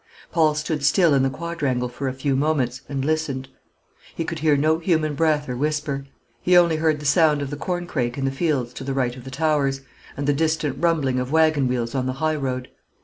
Paul stood still in the quadrangle for a few moments, and listened. He could hear no human breath or whisper; he only heard the sound of the corn crake in the fields to the right of the Towers, and the distant rumbling of wagon wheels on the high road.